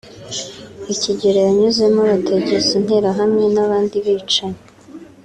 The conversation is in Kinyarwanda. ikigero yanyuzemo abategeza interahamwe n’abandi bicanyi